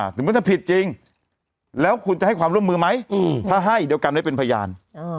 ถึงมันจะผิดจริงแล้วคุณจะให้ความร่วมมือไหมถ้าให้เดี๋ยวกันได้เป็นพยาน